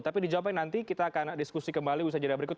tapi dijawabkan nanti kita akan diskusi kembali usaha jadwal berikut